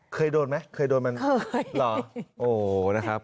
เคยโดนไหมเคยโดนมันหรอโอ้นะครับ